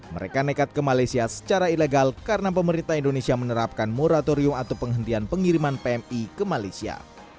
mereka nekat ke malaysia secara ilegal karena pemerintah indonesia menerapkan moratorium atau penghentian pengiriman pmi ke malaysia